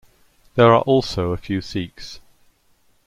There are also a few Sikhs.